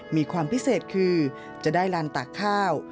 มีความพิเศษคือจะได้ลานตากข้าว